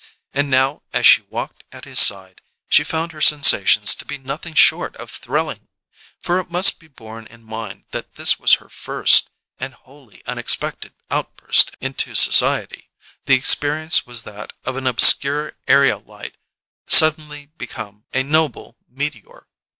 And now, as she walked at his side, she found her sensations to be nothing short of thrilling. For it must be borne in mind that this was her first and wholly unexpected outburst into society; the experience was that of an obscure aerolite suddenly become a noble meteor.